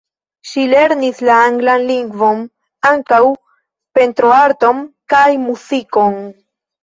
Ŝi lernis la anglan lingvon, ankaŭ pentroarton kaj muzikon.